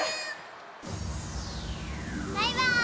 バイバーイ！